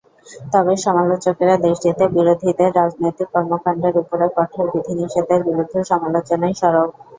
তবে সমালোচকেরা দেশটিতে বিরোধীদের রাজনৈতিক কর্মকাণ্ডের ওপর কঠোর বিধি-নিষেধের বিরুদ্ধে সমালোচনায় সরব।